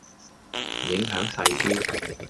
影響細啲